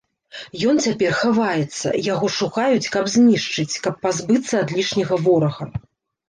Ён цяпер хаваецца, яго шукаюць, каб знішчыць, каб пазбыцца ад лішняга ворага.